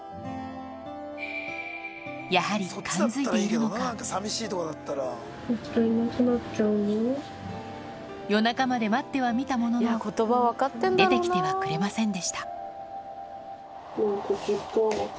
やはり夜中まで待ってはみたものの出てきてはくれませんでした